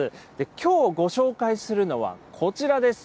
きょうご紹介するのはこちらです。